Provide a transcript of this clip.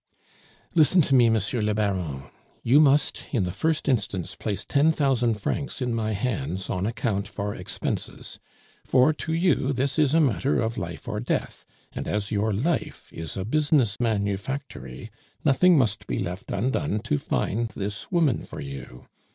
"Listen to me, Monsieur le Baron; you must, in the first instance, place ten thousand francs in my hands, on account for expenses; for, to you, this is a matter of life or death; and as your life is a business manufactory, nothing must be left undone to find this woman for you.